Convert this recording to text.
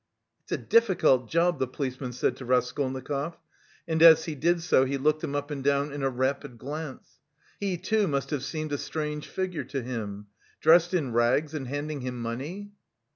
"It's a difficult job," the policeman said to Raskolnikov, and as he did so, he looked him up and down in a rapid glance. He, too, must have seemed a strange figure to him: dressed in rags and handing him money!